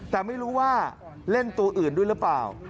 แต่ไม่รู้ว่าเล่นตัวอื่นด้วยหรือเปล่า